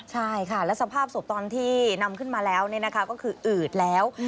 ใช่ค่ะแล้วสภาพศพตอนที่นำขึ้นมาแล้วก็คืออืดแล้ว